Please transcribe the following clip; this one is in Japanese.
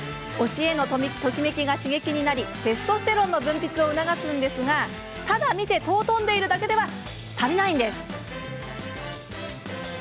推しへのときめきが刺激になりテストステロンの分泌を促すんですがただ見て、尊んでいるだけでは足りないんです。